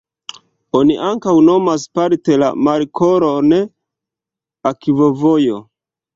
Oni ankaŭ nomas parte la markolon akvovojo.